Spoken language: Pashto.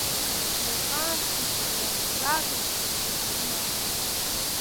کله چې يې پام شو چې دروازه خلاصه ده کوټې ته ننوتله